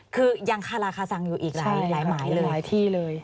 คือยังคาราคาซังอยู่อีกหลายหมายเลยหลายที่เลย